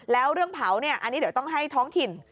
แล้วเรื่องเผาเนี่ยอันนี้เดี๋ยวต้องให้ท้องถิ่น